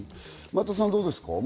松田さん、どうですか？